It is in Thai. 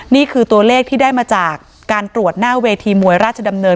นี่คือตัวเลขที่ได้มาจากการตรวจหน้าเวทีมวยราชดำเนิน